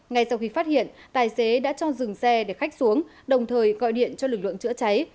ngay sau khi phát hiện tài xế đã cho dừng xe để khách xuống đồng thời gọi điện cho lực lượng chữa cháy